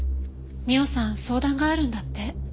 美緒さん相談があるんだって。